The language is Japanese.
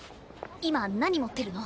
今何持ってるの？